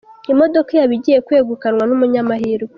imodoka yaba igiye kwegukanwa n`umunyamahirwe